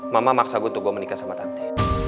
mama maksa gue untuk gue menikah sama tante